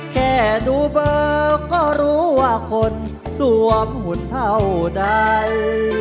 แค่ดูเบอร์ก็รู้ว่าคนสวมหุ่นเท่าใด